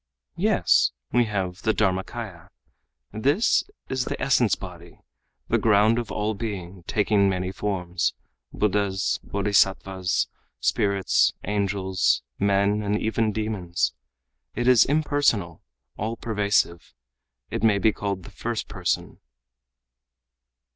"Yes, we have the Dharmakâya. This is the essence body, the ground of all being, taking many forms, Buddhas, Bodhisattvas, spirits, angels, men and even demons. It is impersonal, all pervasive. It may be called the first person.